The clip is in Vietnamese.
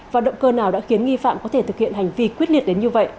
và động cơ nào đã khiến nghi phạm có thể thực hiện hành vi quyết liệt đến như vậy